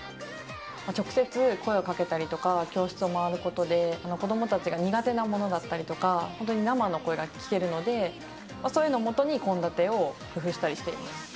直接声をかけたりとか、教室を回ることで、子どもたちが苦手なものだったりとか、本当に生の声が聞けるので、そういうのをもとに、献立を工夫したりしています。